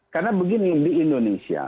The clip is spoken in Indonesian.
karena begini di indonesia